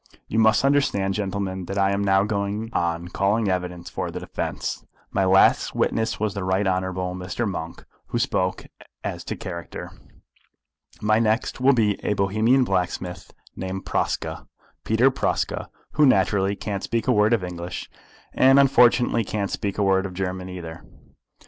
You must understand, gentlemen, that I am now going on calling evidence for the defence. My last witness was the Right Honourable Mr. Monk, who spoke as to character. My next will be a Bohemian blacksmith named Praska, Peter Praska, who naturally can't speak a word of English, and unfortunately can't speak a word of German either.